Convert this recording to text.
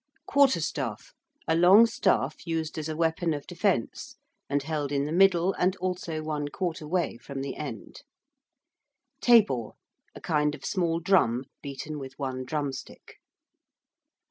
~quarterstaff~: a long staff used as a weapon of defence, and held in the middle and also one quarter way from the end. ~tabor~: a kind of small drum beaten with one drumstick.